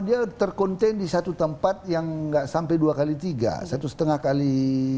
dia terkonten di satu tempat yang nggak sampai dua kali tiga satu setengah kali